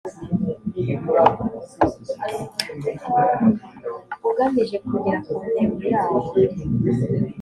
ugamije kugera ku ntego yawo